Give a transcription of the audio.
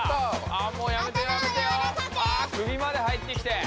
あくびまで入ってきて。